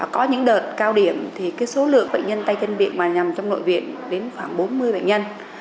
có những đợt cao điểm thì số lượng bệnh nhân tay chân miệng mà nhằm trong nội viện đến khoảng bốn mươi bệnh nhân